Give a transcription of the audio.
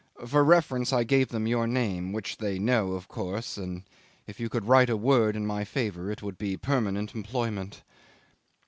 For reference I gave them your name, which they know of course, and if you could write a word in my favour it would be a permanent employment."